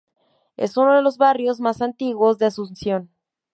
Es uno de los barrios más antiguos de Asunción.